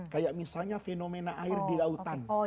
kayak misalnya fenomena air di lautan